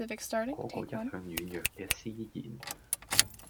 嗰個一向軟弱嘅思賢